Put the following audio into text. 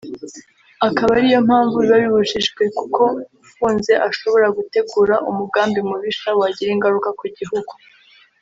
akaba ariyo mpamvu biba bibujijwe kuko ufunze ashobora gutegura umugambi mubisha wagira ingaruka ku gihugu